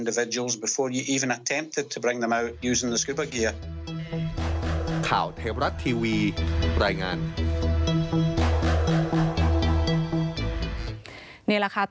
นี่แหละค่ะ